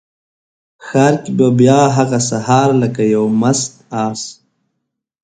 ښار کې به بیا هغه سهار لکه یو مست آس،